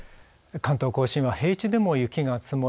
関東甲信は平地でも雪が積もり